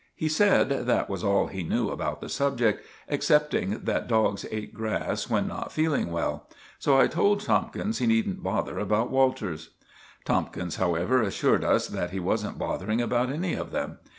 He said that was all he knew about the subject, excepting that dogs ate grass when not feeling well. So I told Tomkins he needn't bother about Walters. Tomkins, however, assured us that he wasn't bothering about any of them.